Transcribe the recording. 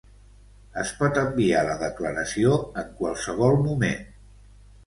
Es pot enviar la declaració en qualsevol moment.